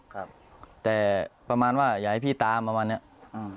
ครับแต่ประมาณว่าอยากให้พี่ตามประมาณเนี้ยอ่า